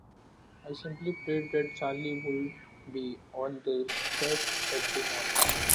I simply prayed that Charlie would be on the set every morning.